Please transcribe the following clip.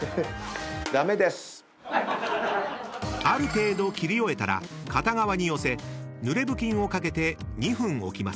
［ある程度切り終えたら片側に寄せ］